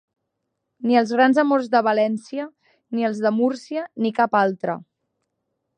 Ni els grans amors de València, ni els de Múrcia, ni cap altre.